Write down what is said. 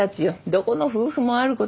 どこの夫婦もあること。